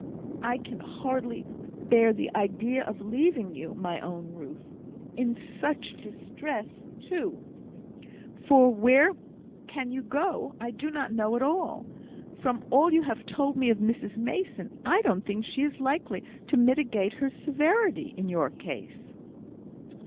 "I can hardly bear the idea of leaving you, my own Ruth. In such distress, too; for where you can go I do not know at all. From all you have told me of Mrs Mason, I don't think she is likely to mitigate her severity in your case."